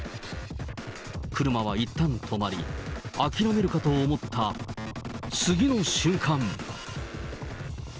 車はいったん止まり、諦めるかと思った次の瞬間。